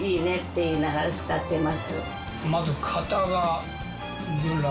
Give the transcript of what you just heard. まず。